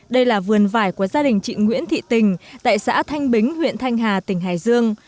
đây là vườn vải của gia đình chị nguyễn thị tình tại xã thanh bính huyện thanh hà tỉnh hải dương